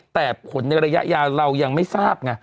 แต่ผลในระยะยาวเรายังไม่ทราบไง